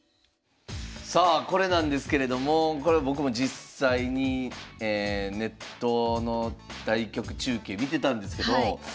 さあこれなんですけれどもこれ僕も実際にネットの対局中継見てたんですけど